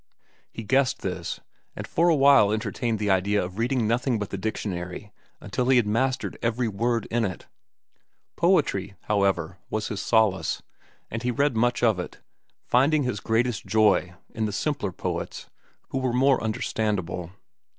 He guessed this, and for a while entertained the idea of reading nothing but the dictionary until he had mastered every word in it. Poetry, however, was his solace, and he read much of it, finding his greatest joy in the simpler poets, who were more understandable.